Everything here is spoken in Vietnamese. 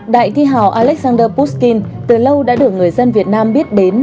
đại thi hào alexander pushkin từ lâu đã được người dân việt nam biết đến